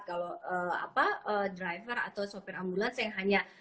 kalau driver atau sopir ambulans yang hanya